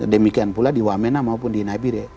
demikian pula di wamena maupun di nabire